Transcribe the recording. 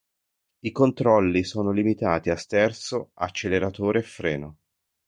I controlli sono limitati a sterzo, acceleratore e freno.